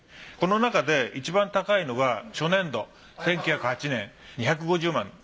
この中でいちばん高いのが初年度１９０８年２５０万。